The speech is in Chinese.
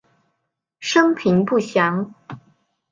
生平不详。